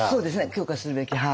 強化するべきはい。